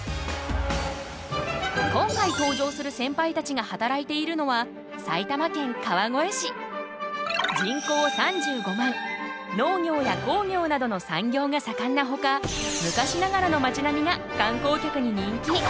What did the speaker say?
今回登場するセンパイたちが働いているのは農業や工業などの産業が盛んなほか昔ながらのまち並みが観光客に人気。